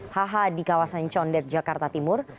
hh di kawasan condet jakarta timur